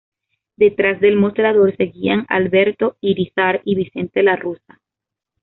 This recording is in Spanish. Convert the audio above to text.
Detrás del mostrador, seguían Alberto Irízar y Vicente La Russa.